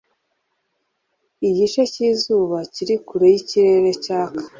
igice cy'izuba kiri kure y'ikirere cyaka